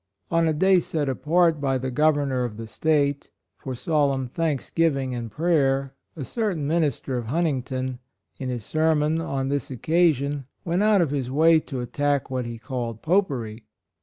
On a day set apart by the Gov ernor of the State, for solemn " Thanksgiving and Prayer," a cer tain minister of Huntingdon, in his sermon, on this occasion, went out of his way to attack what he called " Popery."